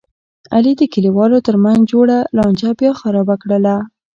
علي د کلیوالو ترمنځ جوړه لانجه بیا خرابه کړله.